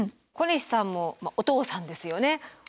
小西さんもお父さんですよね。